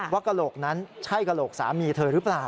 กระโหลกนั้นใช่กระโหลกสามีเธอหรือเปล่า